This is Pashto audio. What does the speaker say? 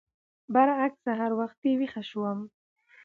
برعکس سهار وختي ويښه شوم.